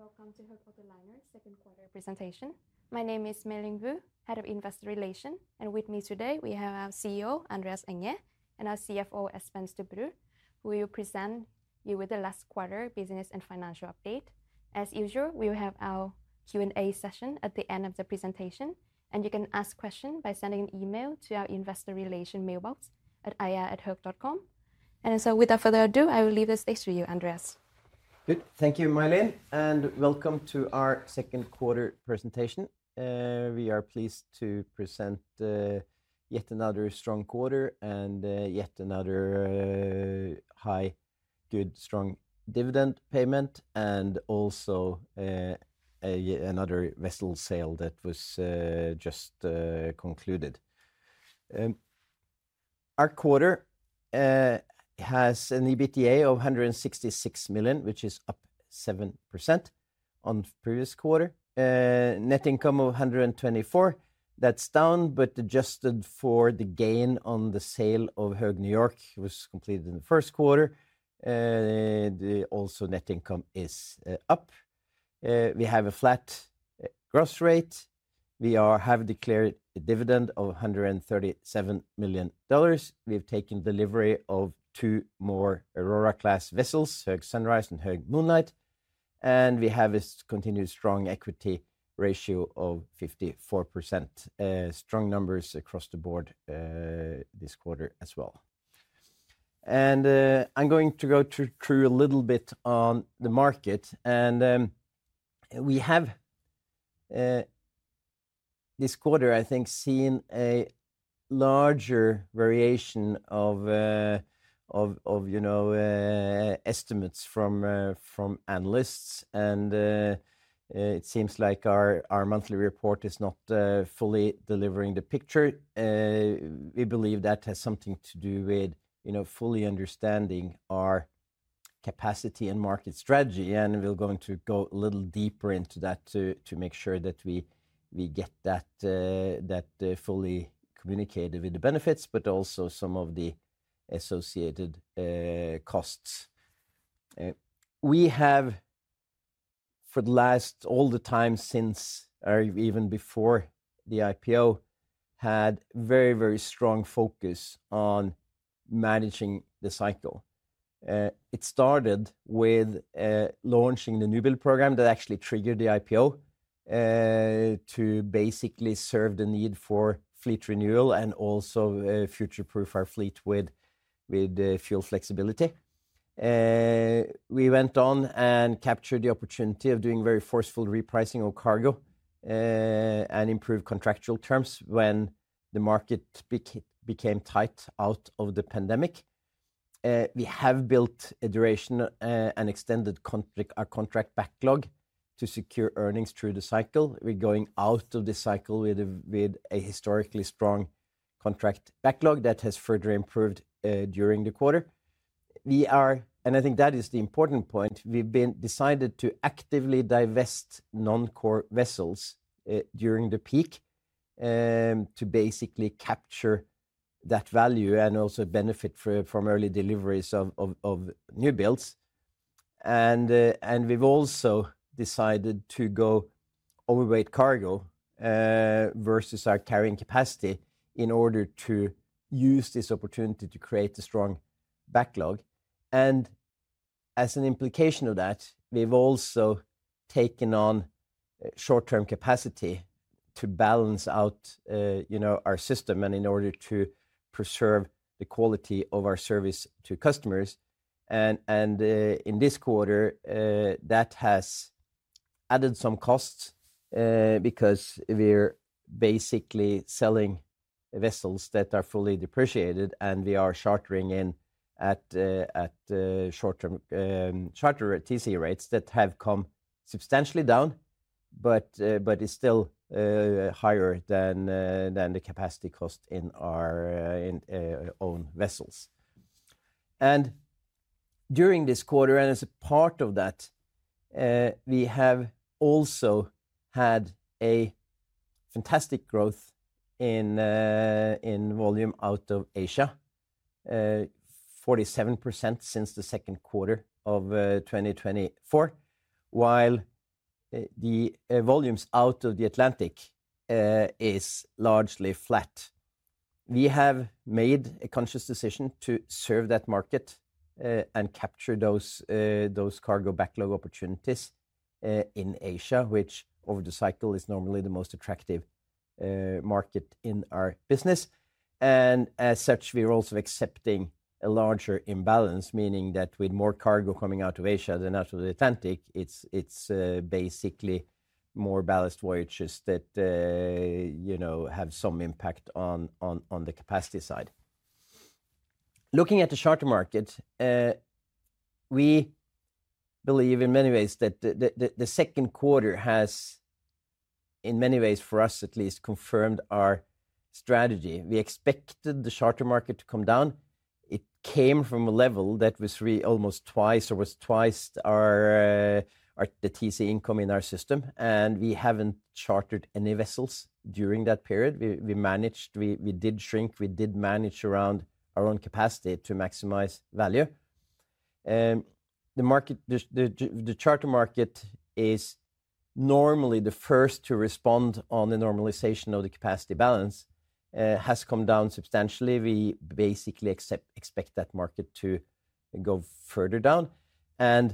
Good morning and welcome to Höegh Autoliners Second Quarter Presentation. My name is My Linh Vu, Head of Investor Relations, and with me today we have our CEO Andreas Enger and our CFO Espen Stubberud. We will present you with the last quarter business and financial update. As usual, we will have our Q and A session at the end of the presentation, and you can ask questions by sending an email to our Investor Relations mailbox iahope.com. Without further ado, I will leave the stage to you, Andreas. Good. Thank you, My Linh, and welcome to our Second Quarter Presentation. We are pleased to present yet another strong quarter and yet another high, good, strong dividend payment, and also another vessel sale that was just concluded. Our quarter has an EBITDA of $166 million, which is up 7% on previous quarter, net income of $124 million. That's down, but adjusted for the gain on the sale of Höegh New York, which was completed in the first quarter, also net income is up. We have a flat gross rate. We have declared a dividend of $137 million. We have taken delivery of two more Aurora class vessels, Höegh Sunrise and Höegh Moonlight, and we have a continued strong equity ratio of 54%. Strong numbers across the board this quarter as well. I'm going to go through a little bit on the market. We have this quarter, I think, seen a larger variation of estimates from analysts, and it seems like our monthly report is not fully delivering the picture. We believe that has something to do with fully understanding our capacity and market strategy, and we're going to go a little deeper into that to make sure that we get that fully communicated with the benefits, but also some of the associated costs. We have, for the last, all the time since or even before the IPO, had very, very strong focus on managing the cycle. It started with launching the newbuild program that actually triggered the IPO to basically serve the need for fleet renewal and also future-proof our fleet with fuel flexibility. We went on and captured the opportunity of doing very forceful repricing of cargo and improved contractual terms when the market became tight out of the pandemic. We have built a duration and extended contract backlog to secure earnings through the cycle. We're going out of the cycle with a historically strong contract backlog that has further improved during the quarter. I think that is the important point. We've decided to actively divest non-core vessels during the peak to basically capture that value and also benefit from early deliveries of newbuilds, and we've also decided to go overweight cargo versus our carrying capacity in order to use this opportunity to create a strong backlog. As an implication of that, we've also taken on short-term capacity to balance out our system and in order to preserve the quality of our service to customers. In this quarter that has added some costs because we're basically selling vessels that are fully depreciated and we are chartering in at short-term charter TCE rates that have come substantially down, but are still higher than the capacity cost in our own vessels. During this quarter, as a part of that, we have also had a fantastic growth in volume out of Asia, 47% since the second quarter of 2024, while the volumes out of the Atlantic are largely flat. We have made a conscious decision to serve that market and capture those cargo backlog opportunities in Asia, which over the cycle is normally the most attractive market in our business. As such, we are also accepting a larger imbalance, meaning that with more cargo coming out of Asia than out of the Atlantic, it's basically more ballast voyages that have some impact on the capacity side. Looking at the charter market, we believe in many ways that the second quarter has, for us at least, confirmed our strategy. We expected the charter market to come down. It came from a level that was really almost twice, or was twice, the TC income in our system. We haven't chartered any vessels during that period. We did manage around our own capacity to maximize value. The charter market is normally the first to respond on the normalization of the capacity balance and has come down substantially. We expect that market to go further down. The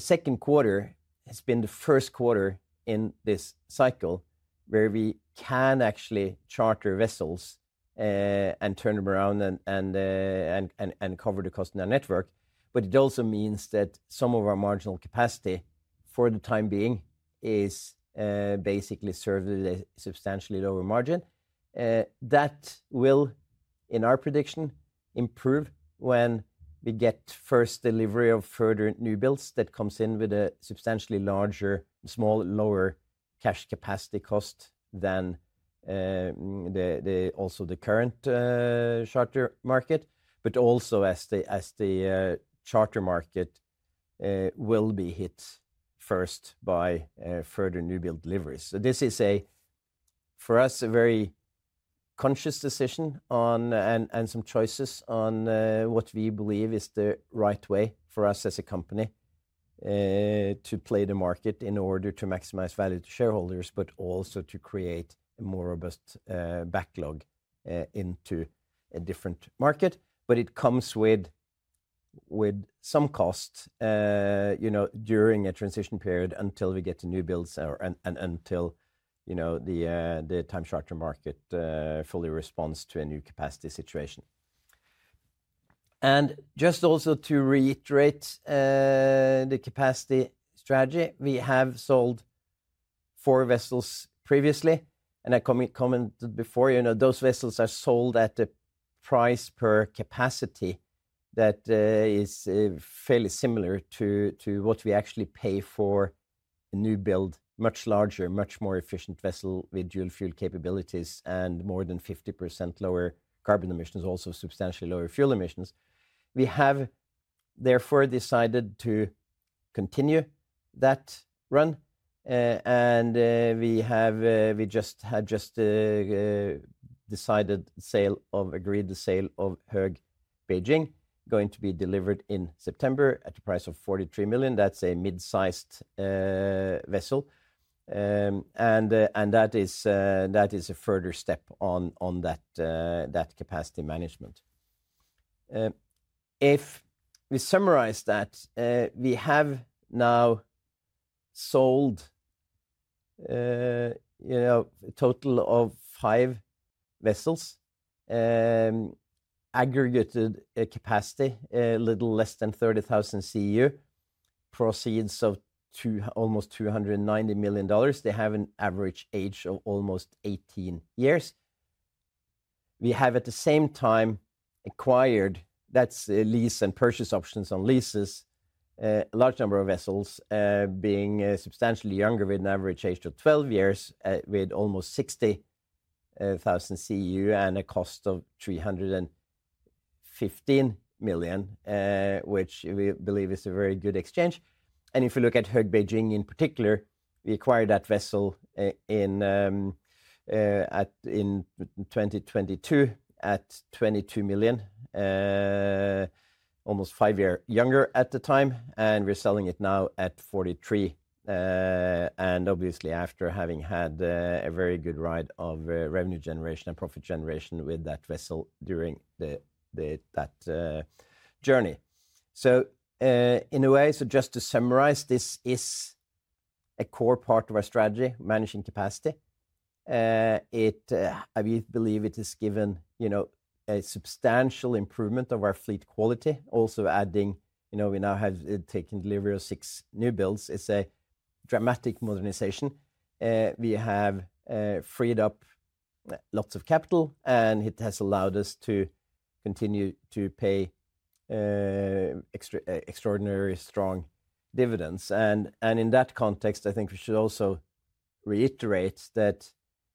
second quarter has been the first quarter in this cycle where we can actually charter vessels and turn them around and cover the cost in our network. It also means that some of our marginal capacity for the time being is basically served at a substantially lower margin that will, in our prediction, improve when we get first delivery of further newbuilds that come in with a substantially lower cash capacity cost than also the current charter market. Also, as the charter market will be hit first by further newbuild deliveries, this is, for us, a very conscious decision and some choices on what we believe is the right way for us as a company to play the market in order to maximize value to shareholders, but also to create a more robust backlog into a different market. It comes with some cost during a transition period until we get to newbuilds or until the time structure market fully responds to a new capacity situation. Just also to reiterate the capacity strategy, we have sold four vessels previously and I commented before, you know, those vessels are sold at a price per capacity that is fairly similar to what we actually pay for newbuild. Much larger, much more efficient vessel with dual fuel capabilities and more than 50% lower carbon emissions, also substantially lower fuel emissions. We have therefore decided to continue that run and we have just decided, sale of, agreed the sale of Höegh Beijing, going to be delivered in September at the price of $43 million. That's a mid-sized vessel and that is a further step on that capacity management. If we summarize, we have now sold, you know, a total of five vessels, aggregated capacity a little less than 30,000 CEU, proceeds of almost $290 million. They have an average age of almost 18 years. We have at the same time acquired, that's lease and purchase options on leases, a large number of vessels being substantially younger with an average age to 12 years with almost 60,000 CEU and a cost of $315 million, which we believe is a very good exchange. If you look at Höegh Beijing in particular, we acquired that vessel in 2022 at $22 million, almost five years younger at the time and we're selling it now at $43 million and obviously after having had a very good ride of revenue generation and profit generation with that vessel during that journey. In a way, just to summarize, this is a core part of our strategy, managing capacity. I believe it has given, you know, a substantial improvement of our fleet quality, also adding, you know, we now have taken delivery of six newbuilds. It's a dramatic modernization. We have freed up lots of capital and it has allowed us to continue to pay extraordinary strong dividends. In that context I think we should also reiterate that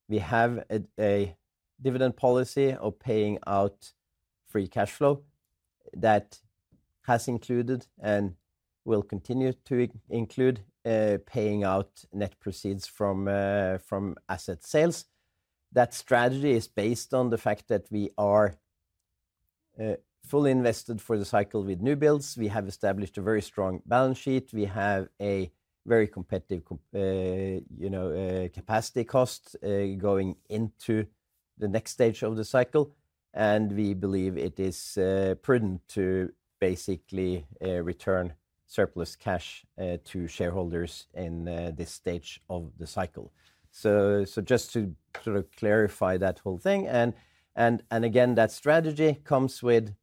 we have a dividend policy of paying out free cash flow that has included and will continue to include paying out net proceeds from asset sales. That strategy is based on the fact that we are fully invested for the cycle. With newbuilds, we have established a very strong balance sheet. We have a very competitive capacity cost going into the next stage of the cycle and we believe it is prudent to basically return surplus cash to shareholders in this stage of the cycle. Just to sort of clarify that whole thing, again that strategy comes with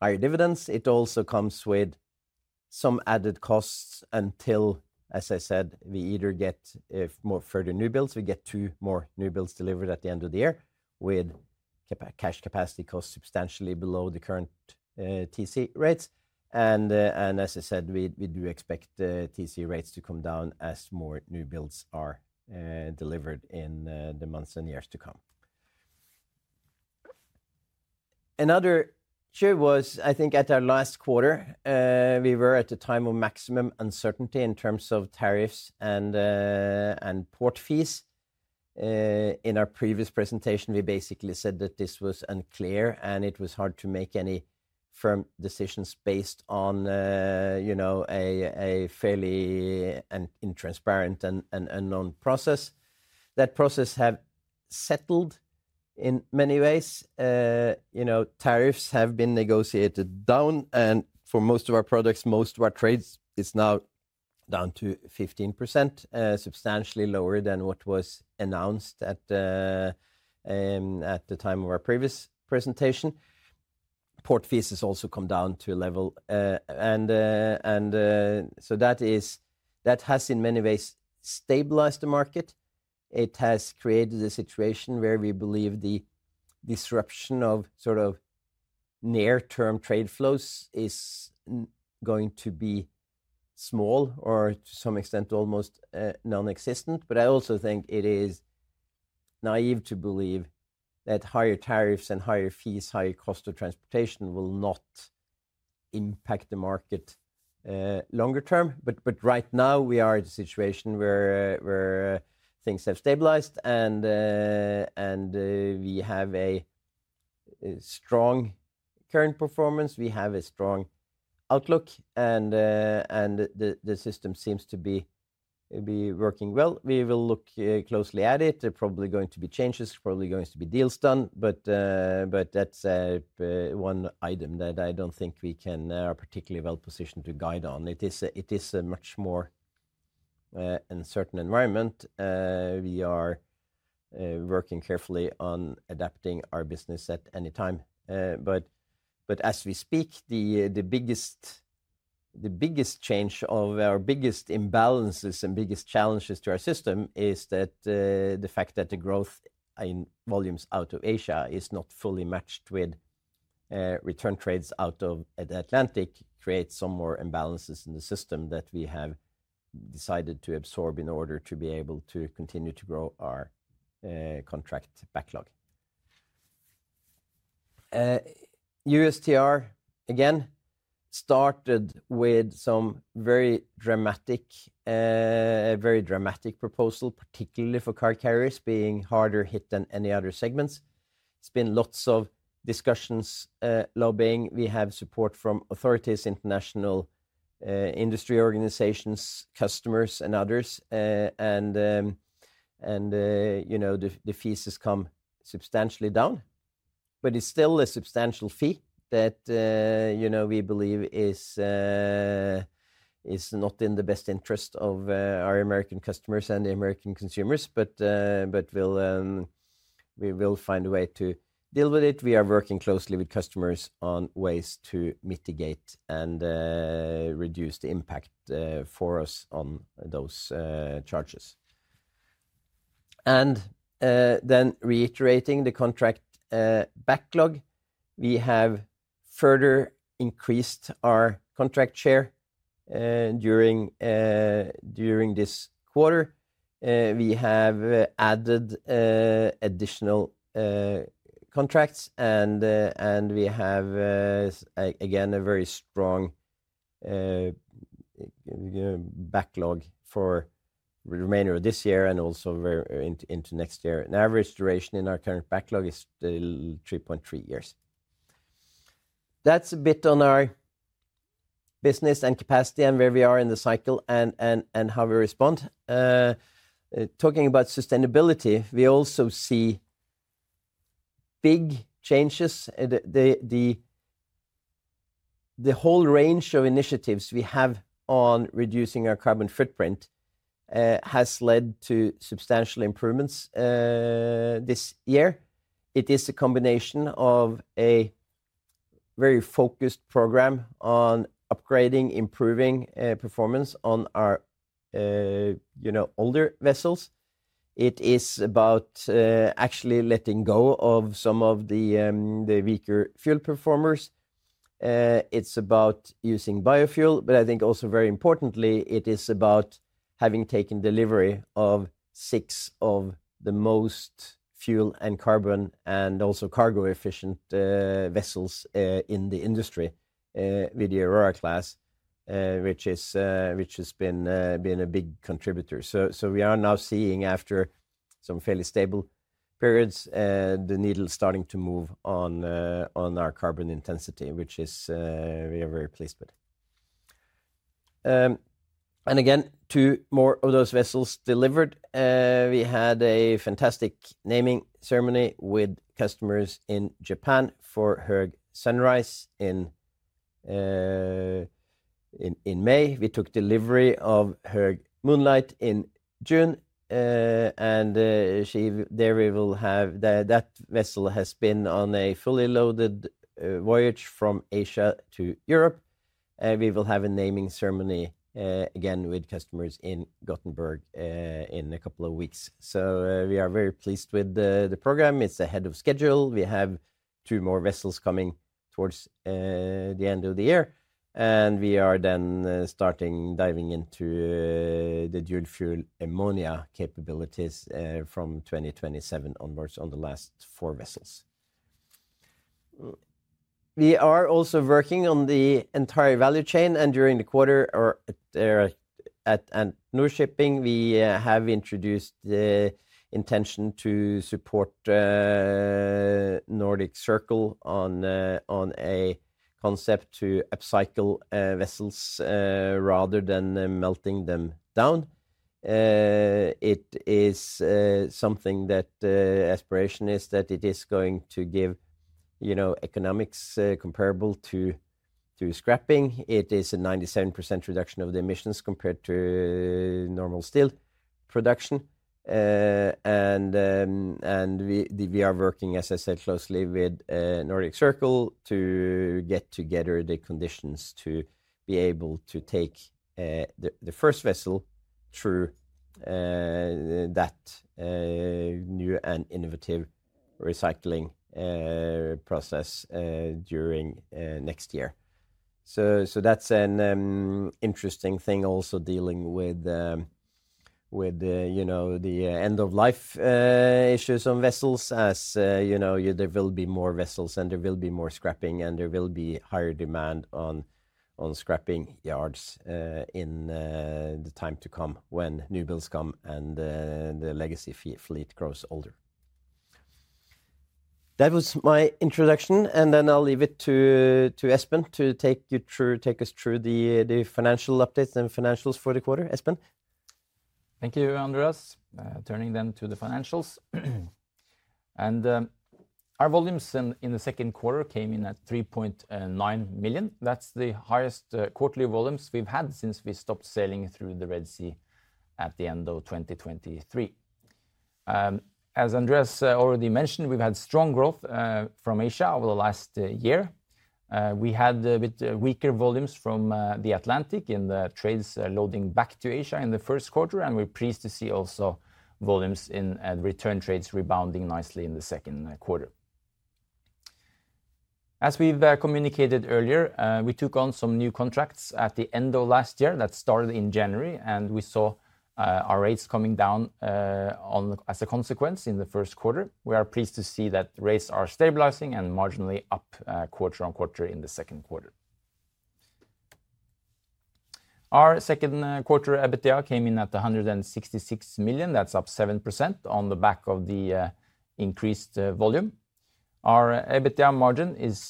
higher dividends. It also comes with some added costs until, as I said, we either get more further newbuilds. We get two more newbuilds delivered at the end of the year with cash capacity costs substantially below the current TC rates. As I said, we do expect TC rates to come down as more newbuilds are delivered in the months and years to come. Another was, I think at our last quarter we were at a time of maximum uncertainty in terms of tariffs and port fees. In our previous presentation, we basically said that this was unclear and it was hard to make any firm decisions based on, you know, a fairly transparent and non process. That process has settled in many ways. Tariffs have been negotiated down and for most of our products, most of our trades is now down to 15%, substantially lower than what was announced at the time of our previous presentation. Port fees have also come down to a level. That has in many ways stabilized the market. It has created a situation where we believe the disruption of sort of near term trade flows is going to be small or to some extent almost non-existent. I also think it is naive to believe that higher tariffs and higher fees, higher cost of transportation will not impact the market longer term. Right now we are in a situation where things have stabilized and we have a strong current performance, we have a strong outlook and the system seems to be working well. We will look closely at it. Probably going to be changes, probably going to be deals done. That is one item that I don't think we are particularly well positioned to guide on. It is a much more uncertain environment. We are working carefully on adapting our business at any time. As we speak, the biggest change or biggest imbalances and biggest challenges to our system is that the fact that the growth in volumes out of Asia is not fully matched with return trades out of Atlantic creates some more imbalances in the system that we have decided to absorb in order to be able to continue to grow our contract backlog. USTR again started with some very dramatic, very dramatic proposal, particularly for car carriers being harder hit than any other segments. There's been lots of discussions, lobbying, we have support from authorities, international industry organizations, customers and others. The fees have come substantially down, but it's still a substantial fee that we believe is not in the best interest of our American customers and the American consumers. We will find a way to deal with it. We are working closely with customers on ways to mitigate and reduce the impact for us on those charges. Reiterating the contract backlog, we have further increased our contract share during this quarter. We have added additional contracts and we have again a very strong backlog for the remainder of this year and also into next year. The average duration in our current backlog is 3.3 years. That's a bit on our business and capacity and where we are in the cycle and how we respond. Talking about sustainability, we also see big changes. The whole range of initiatives we have on reducing our carbon footprint has led to substantial improvements this year. It is a combination of a very focused program on upgrading, improving performance on our older vessels. It is about actually letting go of some of the weaker fuel performers. It's about using biofuel. I think also very importantly it is about having taken delivery of six of the most fuel and carbon and also cargo efficient vessels in the industry with the Aurora class, which has been a big contributor. We are now seeing after some fairly stable periods the needle starting to move on our carbon intensity, which we are very pleased with. Two more of those vessels were delivered. We had a fantastic naming ceremony with customers in Japan for Höegh Sunrise in May. We took delivery of Höegh Moonlight in June and that vessel has been on a fully loaded voyage from Asia to Europe. We will have a naming ceremony again with customers in Gothenburg in a couple of weeks. We are very pleased with the program. It's ahead of schedule. We have two more vessels coming towards the end of the year and we are then starting to dive into the dual fuel ammonia capabilities from 2027 onwards on the last four vessels. We are also working on the entire value chain and during the quarter at new shipping we have introduced the intention to support Nordic Circles on a concept to upcycle vessels rather than melting them down. The aspiration is that it is going to give economics comparable to scrapping. It is a 97% reduction of the emissions compared to normal steel production. We are working, as I said, closely with Nordic Circles to get together the conditions to be able to take the first vessel through that new and innovative recycling process during next year. That's an interesting thing also dealing with, you know, the end of life issues on vessels. As you know, there will be more vessels and there will be more scrapping and there will be higher demand on scrapping yards in the time to come when newbuilds come and the legacy fleet grows older. That was my introduction and I'll leave it to Espen to take you through. Take us through the financial updates and financials for the quarter. Espen. Thank you Andreas. Turning then to the financials, our volumes in the second quarter came in at 3.9 million. That's the highest quarterly volumes we've had since we stopped sailing through the Red Sea at the end of 2023. As Andreas already mentioned, we've had strong growth from Asia over the last year. We had weaker volumes from the Atlantic in the trades loading back to Asia in the first quarter, and we're pleased to see volumes in return trades rebounding nicely in the second quarter. As we've communicated earlier, we took on some new contracts at the end of last year that started in January, and we saw our rates coming down as a consequence in the first quarter. We are pleased to see that rates are stabilizing and marginally up quarter-on-quarter. In the second quarter, our second quarter EBITDA came in at $166 million. That's up 7%. On the back of the increased volume, our EBITDA margin is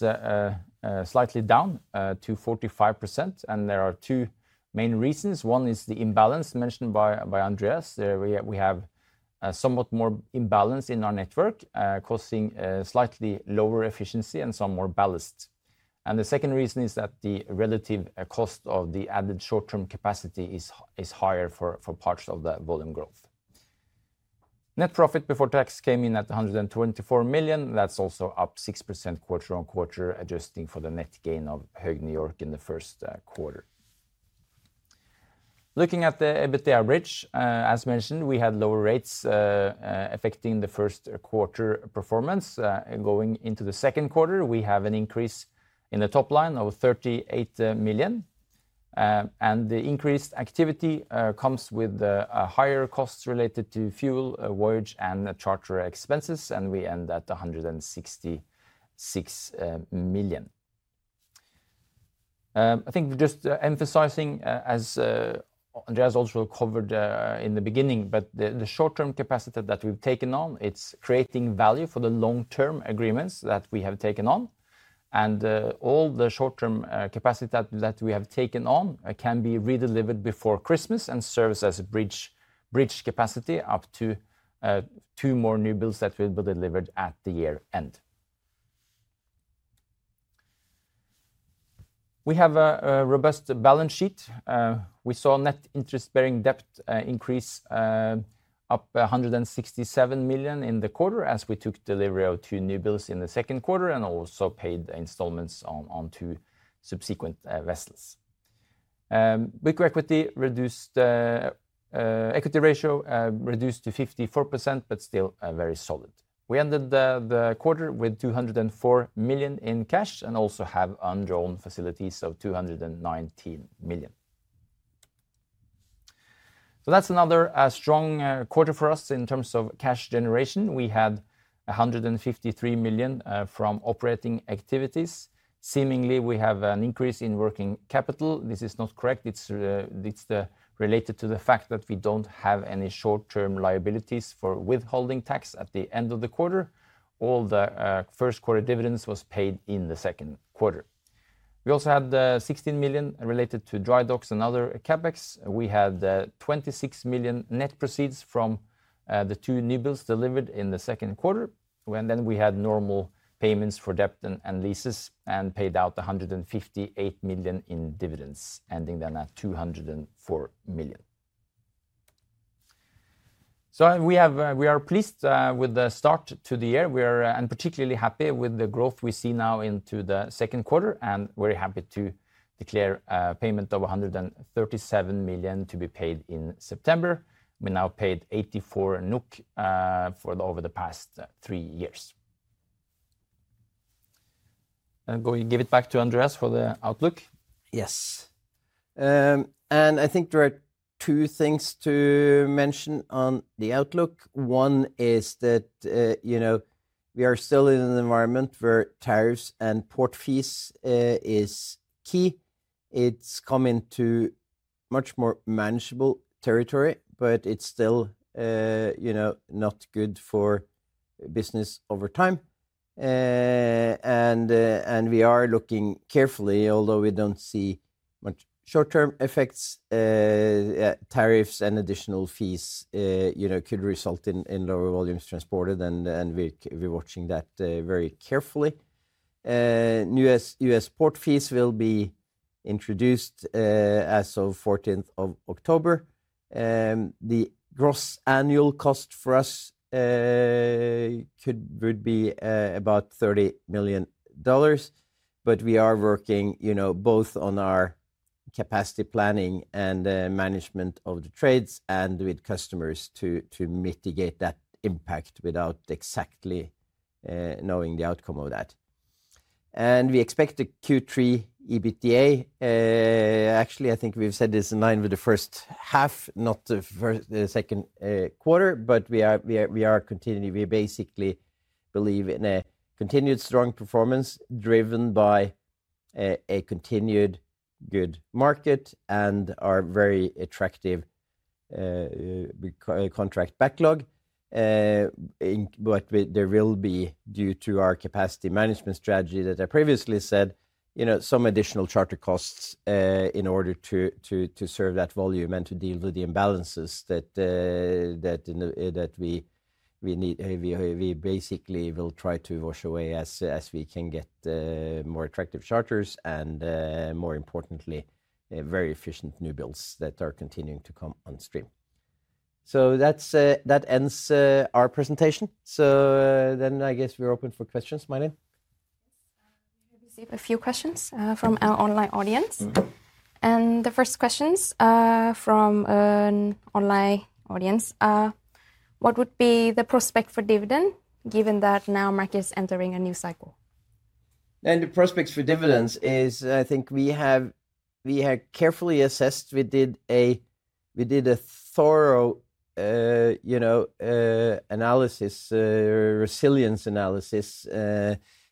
slightly down to 45%. There are two main reasons. One is the imbalance mentioned by Andreas. We have somewhat more imbalance in our network causing slightly lower efficiency and some more balanced. The second reason is that the relative cost of the added short term capacity is higher for parts of the volume growth. Net profit before tax came in at $124 million. That's also up 6% quarter-on-quarter, adjusting for the net gain of Höegh New York in the first quarter. Looking at the EBITDA, as mentioned, we had lower rates affecting the first quarter performance going into the second quarter. We have an increase in the top line of $38 million, and the increased activity comes with higher costs related to fuel, voyage, and charter expenses. We end at $166 million. I think just emphasizing as Andreas also covered in the beginning, the short term capacity that we've taken on is creating value for the long term agreements that we have taken on. All the short term capacity that we have taken on can be redelivered before Christmas and serves as a bridge capacity up to two more newbuilds that will be delivered at the year end. We have a robust balance sheet. We saw net interest bearing debt increase up $167 million in the quarter as we took delivery of 2 newbuilds in the second quarter and also paid installments onto subsequent vessels. Our equity ratio reduced to 54% but is still very solid. We ended the quarter with $204 million in cash and also have undrawn facilities of $219 million. That's another strong quarter for us in terms of cash generation. We had $153 million from operating activities. Seemingly, we have an increase in working capital. This is not correct. It's related to the fact that we don't have any short-term liabilities for withholding tax at the end of the quarter. All the first quarter dividends were paid in the second quarter. We also had $16 million related to dry docks and other CapEx. We had $26 million net proceeds from the two newbuilds delivered in the second quarter, and then we had normal payments for debt and leases and paid out $158 million in dividends, ending then at $204 million. We are pleased with the start to the year. We are particularly happy with the growth we see now into the second quarter and very happy to declare a payment of $137 million to be paid in September. We have now paid $84 million over the past three years. Give it back to Andreas for the outlook. Yes, I think there are two things to mention on the outlook. One is that, you know, we are still in an environment where tariffs and port fees are key. It's come into much more manageable territory, but it's still, you know, not good for business over time. We are looking carefully. Although we don't see much short-term effects, tariffs and additional fees, you know, could result in lower volumes transported and we're watching that very carefully. U.S. port fees will be introduced as of October 14. The gross annual cost for us would be about $30 million. We are working, you know, both on our capacity planning and management of the trades and with customers to mitigate that impact without exactly knowing the outcome of that. We expect a Q3 EBITDA. Actually, I think we've said this is in line with the first half, not the first second quarter, but we are continuing. We basically believe in a continued strong performance driven by a continued good market and a very attractive contract backlog. There will be, due to our capacity management strategy that I previously said, you know, some additional charter costs in order to serve that volume and to deal with the imbalances that we need. We basically will try to wash away as we can get more attractive charters and, more importantly, very efficient newbuilds that are continuing to come on stream. That ends our presentation. I guess we're open for questions. Mailed a few questions from our online audience, and the first question is from an online audience. What would be the prospect for dividend given that now market is entering a new cycle And the prospects for dividends is I think we had carefully assessed. We did a thorough analysis, resilience analysis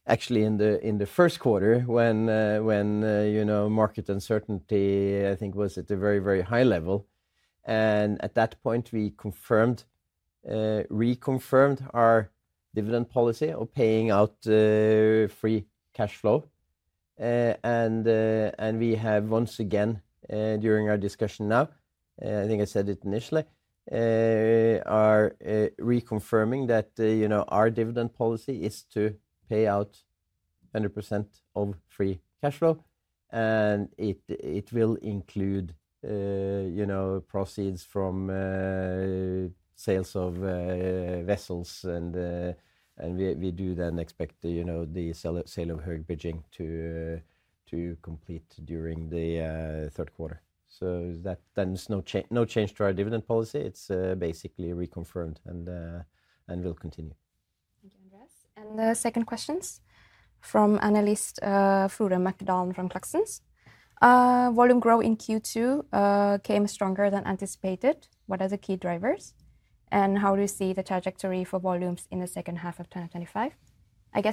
actually in the first quarter when market uncertainty, I think, was at a very, very high level. At that point we confirmed, reconfirmed our dividend policy of paying out free cash flow. We have once again, during our discussion now, I think I said it initially, are reconfirming that our dividend policy is to pay out 100% of free cash flow and it will include proceeds from sales of vessels. We do then expect the sale of Höegh Beijing to complete during the third quarter. There is no change to our dividend policy. It's basically reconfirmed and will continue. The second question from analyst Frodo McAdalm is that volume growth in Q2 came stronger than anticipated. What are the key drivers and how do you see the trajectory for volumes in the second half of 2025?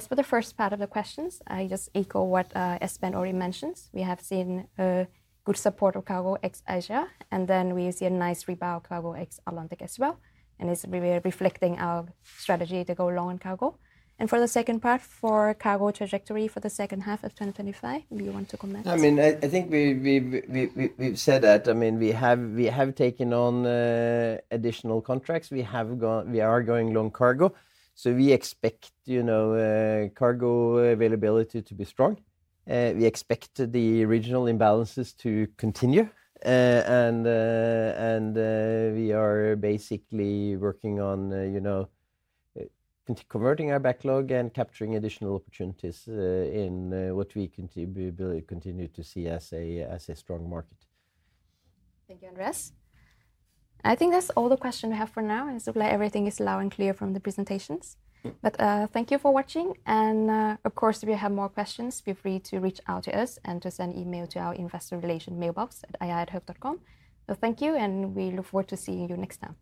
For the first part of the question, I just echo what Espen already mentioned. We have seen good support of cargo ex Asia and then we see a nice rebound cargo ex Atlantic as well. It is reflecting our strategy to go long on cargo. For the second part, for cargo trajectory for the second half of 2025, do you want to comment? I think we've said that. We have taken on additional contracts. We are going long cargo. We expect, you know, cargo availability to be strong. We expect the regional imbalances to continue. We are basically working on converting our backlog and capturing additional opportunities in what we can continue to see as a strong market. Thank you, Andreas. I think that's all the questions we have for now. Everything is loud and clear from the presentations, but thank you for watching. If you have more questions, feel free to reach out to us and to send email to our Investor Relations mailbox at iithope.com. Thank you and we look forward to seeing you next time.